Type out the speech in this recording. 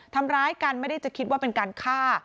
ทำร้ายกันไม่ได้จะคิดว่าเป็นการฆ่า